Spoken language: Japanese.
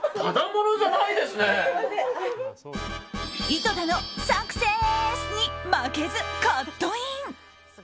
井戸田のサクセス！に負けずカットイン。